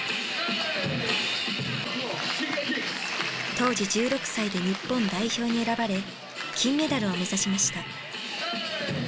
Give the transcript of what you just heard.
当時１６歳で日本代表に選ばれ金メダルを目指しました。